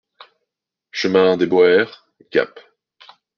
Chemin Dès Boeres, Gap